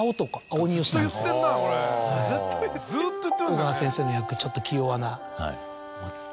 小川先生の役ちょっと気弱な。